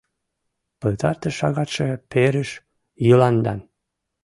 Пытартыш шагатше перыш Йыландан!..